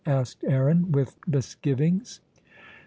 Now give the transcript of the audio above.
asked Aaron, with misgivings.